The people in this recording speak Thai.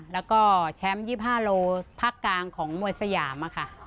แล้วก็แชมป์๒๕โลภาคกลางของมวยสยามค่ะ